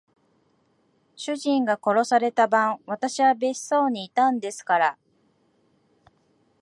主人が殺された晩、私は別荘にいたんですから。